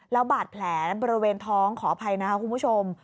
แล้วบาดแผลบริเวณท้องขออภัยนะคะคุณผู้ชม